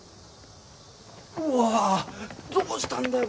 うわどうしたんだよ